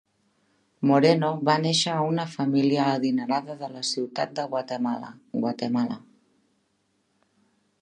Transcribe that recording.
Moreno va néixer a una família adinerada a la ciutat de Guatemala, Guatemala.